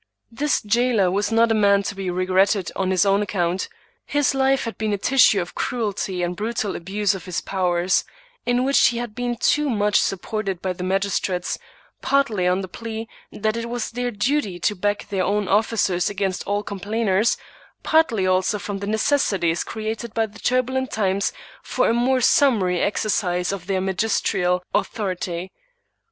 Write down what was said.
This jailer was not a man to be regretted on his own account ; his life had been a tissue of cruelty and brutal abuse of his powers, in which he had been too much supported by the magistrates, partly on the plea that it was their duty to back their own officers against all complainers, partly also from the necessities created by the turbulent times for a more summary exercise of their magisterial au ^ thority.